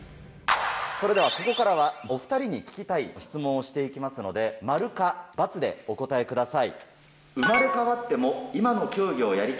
ここからは、お２人に聞きたい質問をしていきますので、○か×でお答えください。